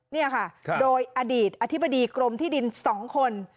นี่ค่ะโดยอดีตอธิบดีกรมที่ดิน๒คน